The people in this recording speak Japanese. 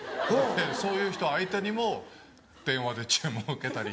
そういう人相手にも電話で注文受けたり。